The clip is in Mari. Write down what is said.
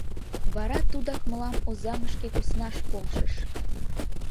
Вара тудак мылам Озаҥышке куснаш полшыш.